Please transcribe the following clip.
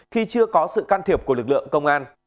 khi chưa có sự can thiệp của lực lượng công an